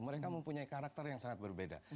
mereka mempunyai karakter yang sangat berbeda